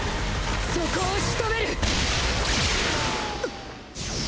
そこを仕留めるうっ！